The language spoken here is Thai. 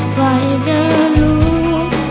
ใครจะรู้